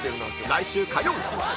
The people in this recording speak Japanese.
来週火曜！